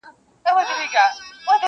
چا راوستي وي وزګړي او چا مږونه.